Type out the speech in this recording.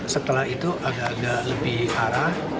setelah itu agak agak lebih arah